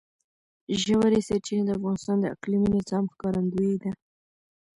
ژورې سرچینې د افغانستان د اقلیمي نظام ښکارندوی ده.